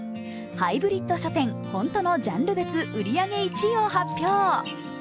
ハイブリッド書店ｈｏｎｔｏのジャンル別売り上げ１位を発表。